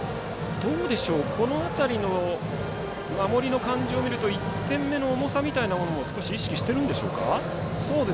この辺りの守りの感じを見ると１点目の重さみたいなものを少し意識しているんでしょうか。